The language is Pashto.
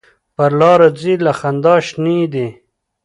پر لار ځي له خندا شینې دي.